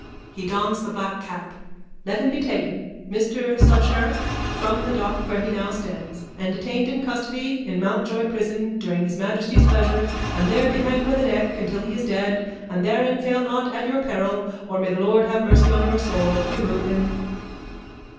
(He dons the black cap.) Let him be taken, Mr Subsheriff, from the dock where he now stands and detained in custody in Mountjoy prison during His Majesty's pleasure and there be hanged by the neck until he is dead and therein fail not at your peril or may the Lord have mercy on your soul. Remove him.